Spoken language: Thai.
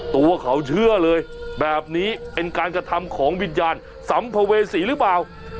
ตัวเขาเชื่อเลยแบบนี้เป็นการกระทำของวิญญาณสัมภเวษีหรือเปล่า